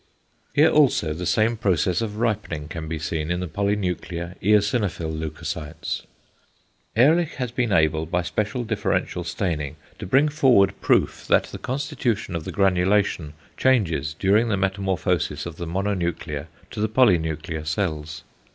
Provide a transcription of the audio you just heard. Here also the same process of ripening can be seen in the polynuclear eosinophil leucocytes. Ehrlich has been able by special differential staining to bring forward proof that the constitution of the granulation changes during the metamorphosis of the mononuclear to the polynuclear cells.